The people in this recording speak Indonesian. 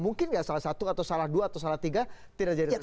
mungkin nggak salah satu atau salah dua atau salah tiga tidak jadi tersangka